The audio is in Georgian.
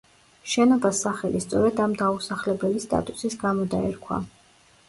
შენობას სახელი სწორედ ამ დაუსახლებელი სტატუსის გამო დაერქვა.